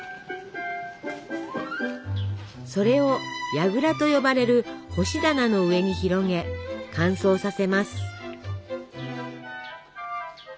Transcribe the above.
それを「やぐら」と呼ばれる干し棚の上に広げ乾燥させます。